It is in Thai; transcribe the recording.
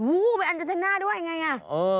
อู้วเป็นอาเจนติน่าด้วยไง